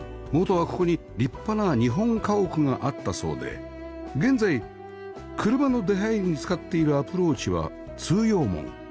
元はここに立派な日本家屋があったそうで現在車の出入りに使っているアプローチは通用門